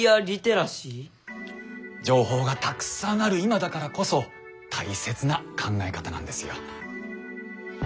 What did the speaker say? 情報がたくさんある今だからこそ大切な考え方なんですよ。